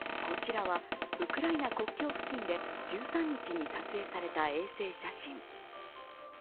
こちらはウクライナ国境付近で１３日に撮影された衛星写真。